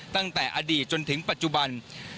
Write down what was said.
ตั้งแต่อดีตจนถึงปัจจุบัน